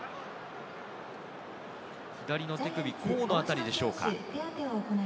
左の手首、甲のあたりでしょうか。